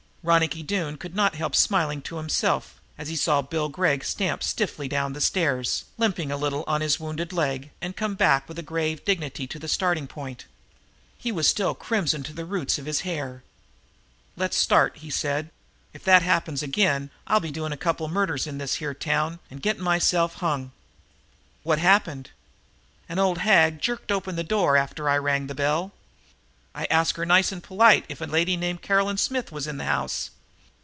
Ronicky Doone could not help smiling to himself, as he saw Bill Gregg stump stiffly down the stairs, limping a little on his wounded leg, and come back with a grave dignity to the starting point. He was still crimson to the roots of his hair. "Let's start," he said. "If that happens again I'll be doing a couple of murders in this here little town and getting myself hung." "What happened?" "An old hag jerked open the door after I rang the bell. I asked her nice and polite if a lady named Caroline Smith was in the house?